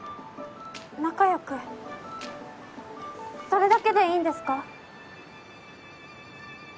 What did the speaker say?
仲良くそれだけでいいんですか？